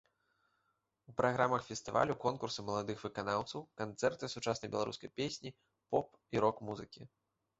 У праграмах фестывалю конкурсы маладых выканаўцаў, канцэрты сучаснай беларускай песні, поп- і рок-музыкі.